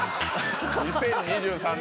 ２０２３年。